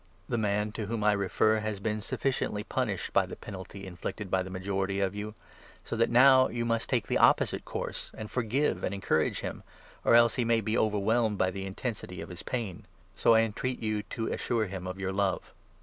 The man to whom I refer has been 6 sufficiently punished by the penalty inflicted by the majority of you ; so that now you must take the opposite course, and 7 forgive and encourage him, or else he may be overwhelmed by the intensity of his pain. So I entreat you to assure him of 8 your.love.